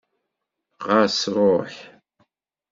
Ɣas ruḥ!